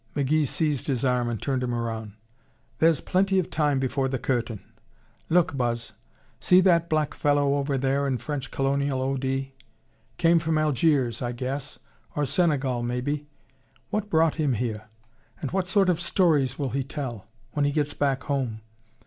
McGee seized his arm and turned him around. "There's plenty of time before the curtain. Look, Buzz. See that black fellow over there in French Colonial O.D.? Came from Algiers, I guess, or Senegal, maybe. What brought him here, and what sort of stories will he tell ... when he gets back home?